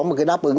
một cái đáp ứng